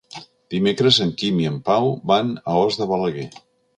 Dimecres en Quim i en Pau van a Os de Balaguer.